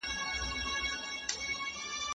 زنګونه په پښو نه تړل کېږي.